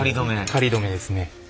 仮どめですね。